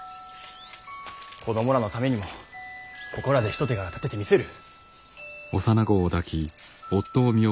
子供らのためにもここらで一手柄立ててみせる。